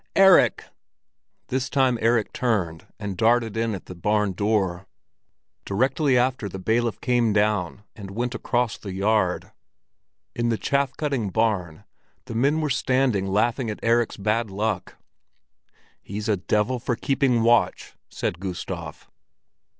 Erik!" This time Erik turned and darted in at a barn door. Directly after the bailiff came down and went across the yard. In the chaff cutting barn the men were standing laughing at Erik's bad luck. "He's a devil for keeping watch!" said Gustav.